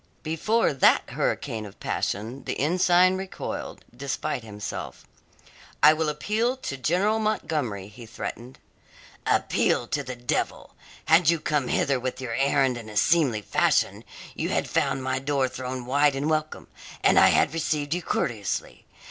Before that hurricane of passion the ensign recoiled, despite himself. "I will appeal to General Montgomery," he threatened. "Appeal to the devil! Had you come hither with your errand in a seemly fashion you had found my door thrown wide in welcome, and I had received you courteously.